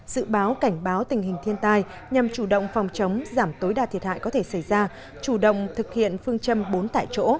dự báo cảnh báo tình hình thiên tai nhằm chủ động phòng chống giảm tối đa thiệt hại có thể xảy ra chủ động thực hiện phương châm bốn tại chỗ